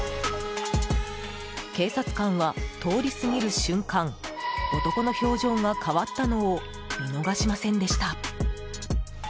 警察官は通り過ぎる瞬間男の表情が変わったのを見逃しませんでした。